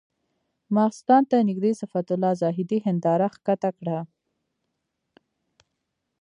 ماخستن ته نږدې صفت الله زاهدي هنداره ښکته کړه.